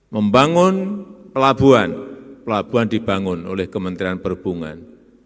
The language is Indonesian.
membangun pelabuhan pelabuhan dibangun oleh kementerian perhubungan